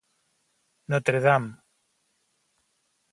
Notre Dame"